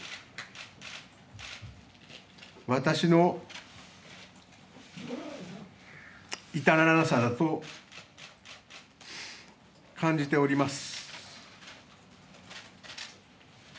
私の至らなさだと感じております。